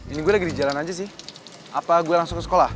ini gue lagi di jalan aja sih apa gue langsung ke sekolah